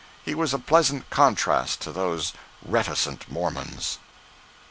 He was a pleasant contrast to those reticent Mormons.